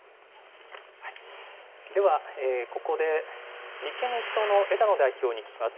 では、ここで立憲民主党の枝野代表に聞きます。